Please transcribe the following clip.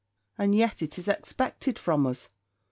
'And yet it is expected from us.